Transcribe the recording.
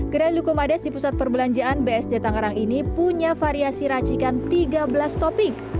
gerai lukumades di pusat perbelanjaan bsd tangerang ini punya variasi racikan tiga belas topping